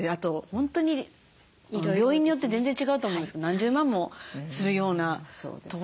本当に病院によって全然違うと思うんですけど何十万もするようなところがあるじゃないですか。